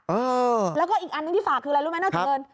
เออแล้วก็อีกอันหนึ่งที่ฝากคืออะไรรู้ไหมนอกจากเงิน